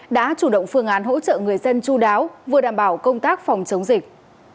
đã chủ động phương án hỗ trợ người dân chú đáo vừa đảm bảo công tác phòng chống dịch